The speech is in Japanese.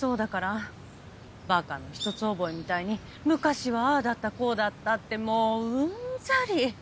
馬鹿の一つ覚えみたいに昔はああだったこうだったってもううんざり！